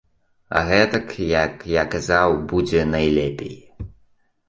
А гэтак, як я казаў, будзе найлепей.